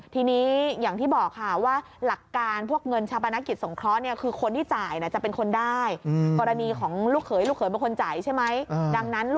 ทีนี้อย่างที่บอกค่ะว่า